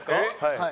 はい。